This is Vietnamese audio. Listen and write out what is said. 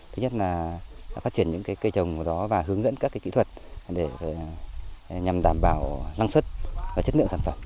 thứ nhất là phát triển những cây trồng ở đó và hướng dẫn các kỹ thuật để nhằm đảm bảo năng suất và chất lượng sản phẩm